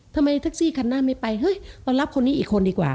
แท็กซี่คันหน้าไม่ไปเฮ้ยเรารับคนนี้อีกคนดีกว่า